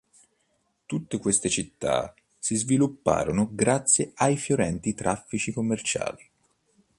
Tutte queste città si svilupparono grazie ai fiorenti traffici commerciali.